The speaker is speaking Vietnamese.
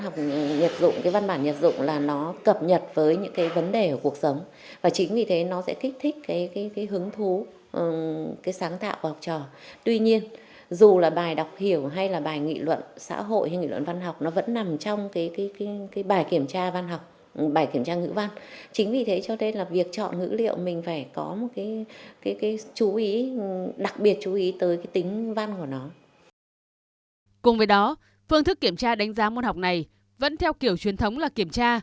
cùng với đó phương thức kiểm tra đánh giá môn học này vẫn theo kiểu truyền thống là kiểm tra